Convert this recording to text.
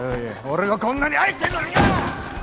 俺はこんなに愛してんのによ！